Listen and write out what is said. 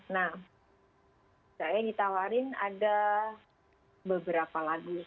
nah saya ditawarin ada beberapa lagu